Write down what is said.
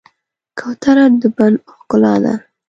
کوتره د بڼ ښکلا ده.